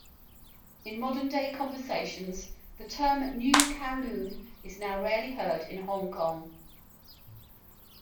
In modern-day conversations, the term "New Kowloon" is now rarely heard in Hong Kong.